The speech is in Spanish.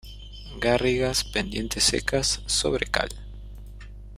Garrigas, pendientes secas, sobre cal.